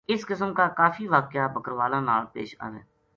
اس قِسم کا کافی واقعہ بکروالاں نال پیش آوے